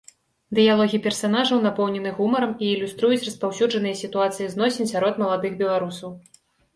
Дыялогі персанажаў напоўнены гумарам і ілюструюць распаўсюджаныя сітуацыі зносін сярод маладых беларусаў.